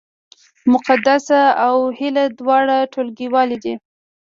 مقدسه او هیله دواړه ټولګیوالې دي